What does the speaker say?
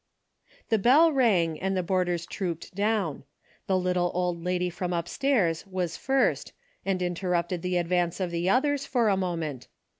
The bell rang and the boarders trooped down. The little old lady from upstairs was first and interrupted the advance of the others, for a moment.